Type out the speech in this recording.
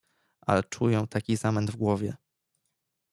"Ale czuję taki zamęt w głowie."